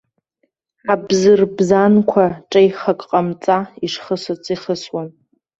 Абзырбзанқәа ҿеихак ҟамҵа ишхысыц ихысуан.